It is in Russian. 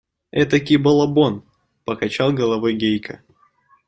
Этакий балабон! – покачал головой Гейка.